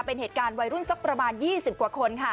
เป็นเหตุการณ์วัยรุ่นสักประมาณ๒๐กว่าคนค่ะ